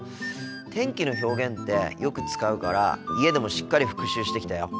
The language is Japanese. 天気の表現ってよく使うから家でもしっかり復習してきたよ。